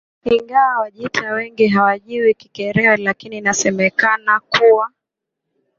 Ingawa Wajita wengi hawajui Kikerewe lakini inasemekana kuwa